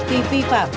khi vi phạm